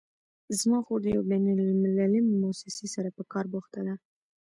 زما خور د یوې بین المللي مؤسسې سره په کار بوخته ده